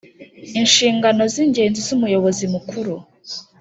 Inshingano z’ ingenzi z’ Umuyobozi Mukuru